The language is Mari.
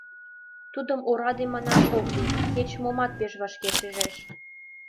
Тудым ораде манаш ок лий, кеч-момат пеш вашке шижеш.